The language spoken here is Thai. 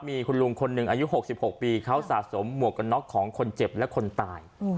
มีคุณลุงคนหนึ่งอายุ๖๖ปีเขาสะสมหมวกกันน็อกของคนเจ็บและคนตาย